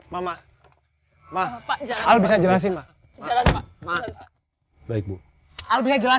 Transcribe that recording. ma dengerin al dulu ma ma ma